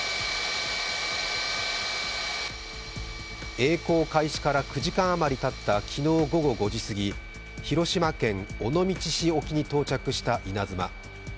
えい航開始から９時間余りたった昨日午後５時過ぎ、広島県尾道市沖に到着した「いなづま」。